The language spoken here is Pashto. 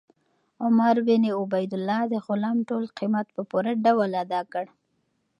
عمر بن عبیدالله د غلام ټول قیمت په پوره ډول ادا کړ.